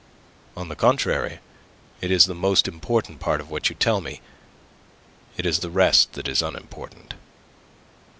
"On the contrary; it is the most important part of what you tell me. It is the rest that is unimportant."